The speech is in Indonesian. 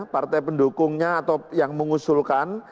partai pendukungnya atau yang mengusulkan